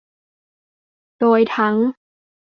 โดยทั้ง